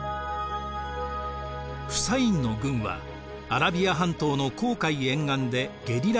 フサインの軍はアラビア半島の紅海沿岸でゲリラ戦を展開。